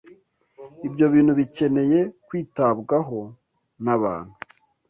Ibyo bintu bikeneye kwitabwaho n’abantu